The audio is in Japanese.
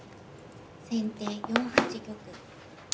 先手４八玉。